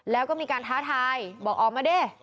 แล้วก็มีการท้าทายบอกออกมาดิ